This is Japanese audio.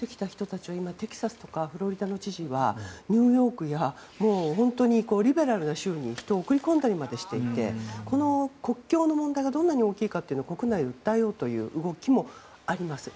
テキサスとかフロリダの知事たちは本当にリベラルな州に人を送り込んだりしていてこの国境の問題がどんなに大きいかを訴えようとする動きもあります。